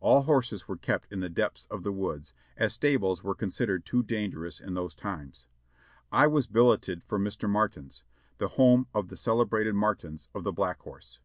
All horses were kept in the depths of the woods, as stables were considered too dangerous in those times. I was billeted for Mr. Martin's, the home of the celebrated Martins, of the Black Horse.